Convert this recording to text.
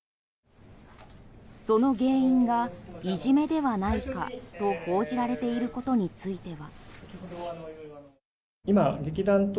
その原因がいじめではないかと報じられていることについては。